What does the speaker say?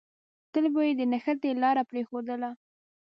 تل به يې د نښتې لاره پرېښودله.